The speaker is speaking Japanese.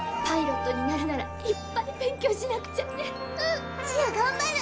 パイロットになるならいっぱい勉強しなくちゃね。